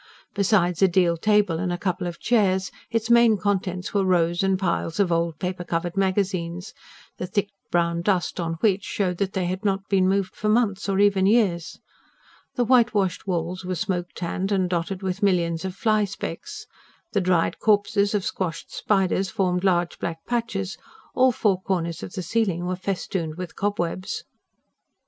Besides a deal table and a couple of chairs, its main contents were rows and piles of old paper covered magazines, the thick brown dust on which showed that they had not been moved for months or even years. The whitewashed walls were smoke tanned and dotted with millions of fly specks; the dried corpses of squashed spiders formed large black patches; all four corners of the ceiling were festooned with cobwebs.